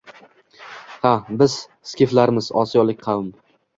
Ha, biz – skiflarmiz” Osiyolik qavm